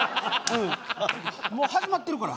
もう始まってるから。